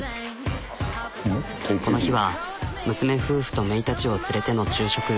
この日は娘夫婦とめいたちを連れての昼食。